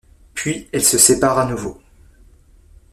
Puis elles se séparent à nouveau.